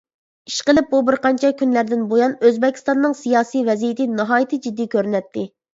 ئىشقىلىپ بۇ بىرقانچە كۈنلەردىن بۇيان ئۆزبېكىستاننىڭ سىياسىي ۋەزىيىتى ناھايىتى جىددىي كۆرۈنەتتى.